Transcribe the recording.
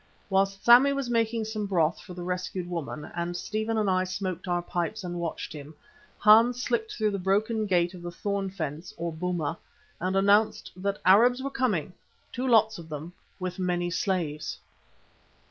Whilst Sammy was making some broth for the rescued woman, and Stephen and I smoked our pipes and watched him, Hans slipped through the broken gate of the thorn fence, or boma, and announced that Arabs were coming, two lots of them with many slaves.